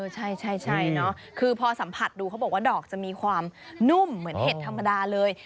ใช่เนาะคือพอสัมผัสดูเขาบอกว่าดอกจะมีความนุ่มเหมือนเห็ดธรรมดาเลย